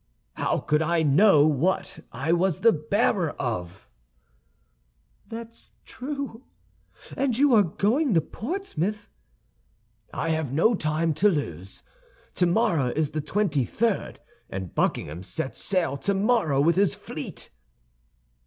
"How could I know what I was the bearer of?" "That's true! And you are going to Portsmouth?" "I have no time to lose. Tomorrow is the twenty third, and Buckingham sets sail tomorrow with his fleet."